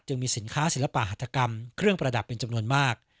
มีสินค้าศิลปะหัตกรรมเครื่องประดับเป็นจำนวนมาก